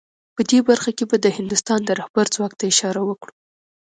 په دې برخه کې به د هندوستان د رهبر ځواک ته اشاره وکړو